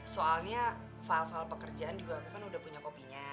soalnya file file pekerjaan juga aku kan udah punya kopinya